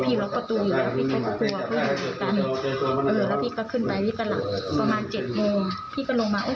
พี่ก็ตกใจทำไมรถลุงโล่งพี่ก็เปิดเห็นประตูมันเปิดนี่เลย